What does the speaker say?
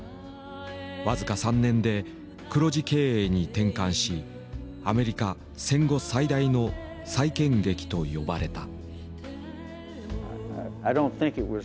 僅か３年で黒字経営に転換し「アメリカ戦後最大の再建劇」と呼ばれた。